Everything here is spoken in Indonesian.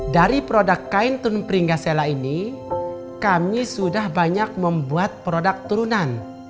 dari produk kain tun pringga sela ini kami sudah banyak membuat produk turunan